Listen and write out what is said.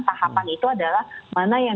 tahapan itu adalah mana yang